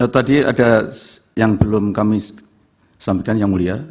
tadi ada yang belum kami sampaikan yang mulia